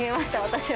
私は。